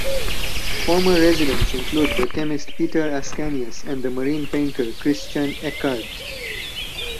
Former residents include the chemist Peter Ascanius and the marine painter Christian Eckardt.